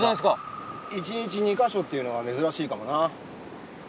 １日２カ所っていうのは珍しいかもな。